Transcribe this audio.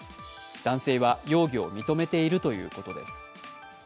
男性は容疑を認めているということです。